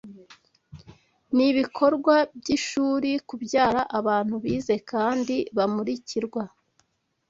Nibikorwa byishuri kubyara abantu bize kandi bamurikirwa